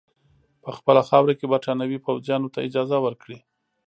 په خپله خاوره کې برټانوي پوځیانو ته اجازه ورکړي.